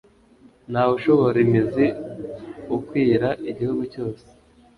na wo ushora imizi ukwira igihugu cyose